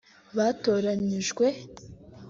batoranijwe